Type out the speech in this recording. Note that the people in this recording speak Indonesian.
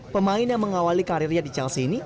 pemain yang mengawali karirnya di chelsea ini